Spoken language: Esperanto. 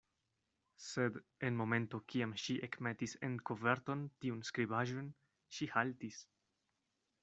Sed, en momento kiam ŝi ekmetis en koverton tiun skribaĵon, ŝi haltis.